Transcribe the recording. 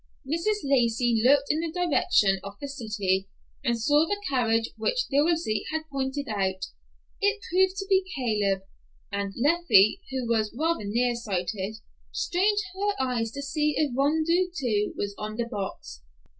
Mrs. Lacey looked in the direction of the city and saw the carriage which Dilsey had pointed out. It proved to be Claib; and Leffie, who was rather near sighted, strained her eyes to see if Rondeau, too, was on the box.